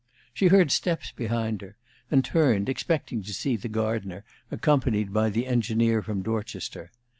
She heard steps behind her, and turned, expecting to see the gardener, accompanied by the engineer from Dorchester.